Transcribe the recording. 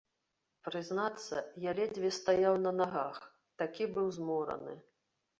Прызнацца, я ледзьве стаяў на нагах, такі быў змораны.